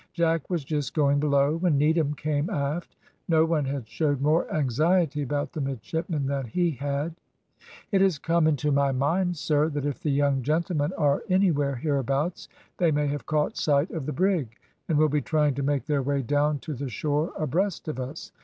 Jack was just going below when Needham came aft. No one had showed more anxiety about the midshipmen than he had. "It has come into my mind, sir, that if the young gentlemen are anywhere hereabouts they may have caught sight of the brig, and will be trying to make their way down to the shore abreast of us.